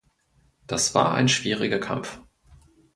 Das war ein schwieriger Kampf.